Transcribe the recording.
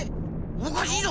おかしいぞ。